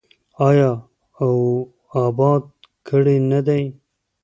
آیا او اباد کړی نه دی؟